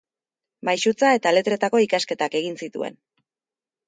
Maisutza eta letretako ikasketak egin zituen.